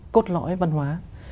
cốt lõi văn hóa